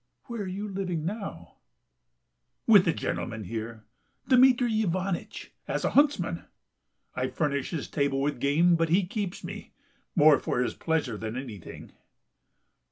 "Where are you living now?" "With the gentleman here, Dmitry Ivanitch, as a huntsman. I furnish his table with game, but he keeps me... more for his pleasure than anything."